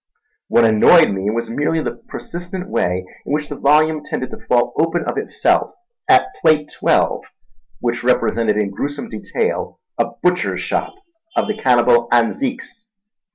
What annoyed me was merely the persistent way in which the volume tended to fall open of itself at Plate XII, which represented in gruesome detail a butcher's shop of the cannibal Anziques.